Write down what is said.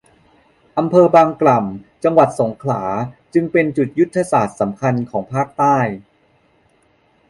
อำเภอบางกล่ำ จังหวัดสงขลาจึงเป็นจุดยุทธศาสตร์สำคัญของภาคใต้